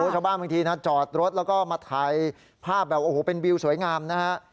ชาวบ้านบางทีนะจอดรถแล้วก็มาถ่ายภาพแบบโอ้โหเป็นวิวสวยงามนะฮะ